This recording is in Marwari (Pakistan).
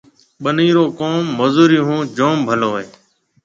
ٻنِي رو ڪوم مزُورِي هون جوم ڀلو هيَ۔